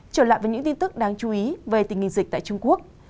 trở lại với những tin tức đáng chú ý về tình hình dịch tại trung quốc